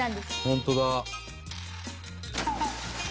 「本当だ」